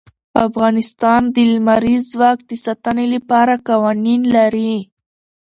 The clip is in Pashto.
افغانستان د لمریز ځواک د ساتنې لپاره قوانین لري.